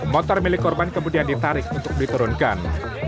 motor milik korban kemudian ditarik untuk diturunkan